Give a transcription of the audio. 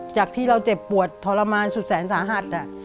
จากที่เราเจ็บปวดทรมานสุดแสนสาหัส